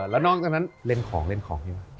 แล้วนอกจากนั้นเล่นของอยู่ไหม